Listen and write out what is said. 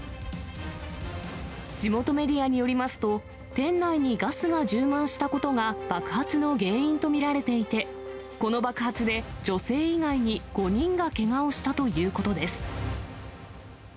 地元メディアによりますと、店内にガスが充満したことが爆発の原因と見られていて、この爆発で、女性以外に５人がけがをしたということです。